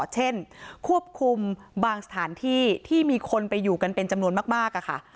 เช่นควบคุมบางสถานที่ที่มีคนไปอยู่กันเป็นจำนวนมากค่ะ